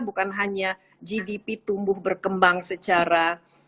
bukan hanya gdp tumbuh berkembang secara